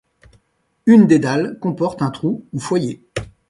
Une des dalles comporte un trou ou foyer.